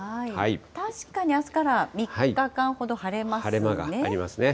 確かにあすから３日間ほど晴晴れ間がありますね。